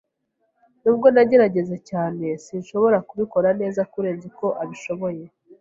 Nubwo nagerageje cyane, sinshobora kubikora neza kurenza uko abishoboye.